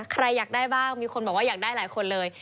ใครอยากได้บ้างมีคนบอกว่าอยากได้หลายคนเลย